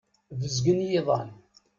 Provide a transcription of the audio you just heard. Bezgen yiḍan.